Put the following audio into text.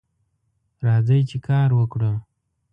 راځئ چې کار وکړو